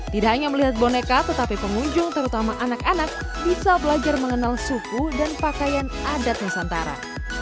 tidak hanya melihat boneka tetapi pengunjung terutama anak anak bisa belajar mengenal suku dan pakaian adat nusantara